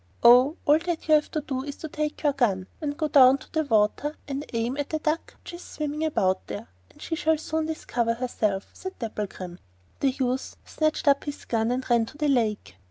'Oh, all that you have to do is to take your gun, and go down to the water and aim at the duck which is swimming about there, and she will soon discover herself,' said Dapplegrim. The youth snatched up his gun and ran to the lake.